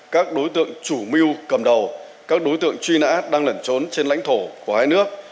các đối tượng chủ mưu cầm đầu các đối tượng truy nã đang lẩn trốn trên lãnh thổ của hai nước